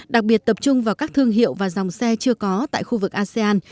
đặc biệt tập trung vào các thương hiệu và dòng xe chưa có tại khu vực asean